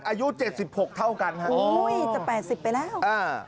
อายุ๗๖เท่ากันฮะอุ้ยจะ๘๐ไปแล้วอ่า